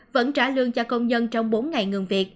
vẫn trả lương cho công nhân trong bốn ngày ngừng việc